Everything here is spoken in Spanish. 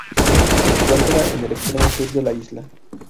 Se encuentra en el extremo sur de la isla.